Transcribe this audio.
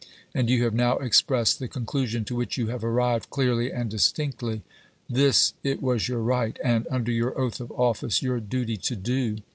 And you have now expressed the conclusion to which you have arrived clearly and distinctly. This it was your right, and, under your oath of office, your duty to do.